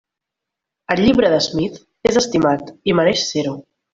El llibre de Smith és estimat i mereix ser-ho.